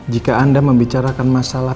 jika anda membicarakan masalah